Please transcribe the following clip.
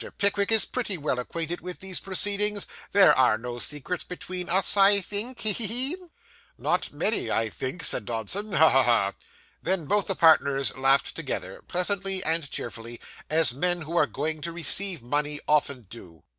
Pickwick is pretty well acquainted with these proceedings. There are no secrets between us, I think. He! he! he!' 'Not many, I think,' said Dodson. 'Ha! ha! ha!' Then both the partners laughed together pleasantly and cheerfully, as men who are going to receive money often do.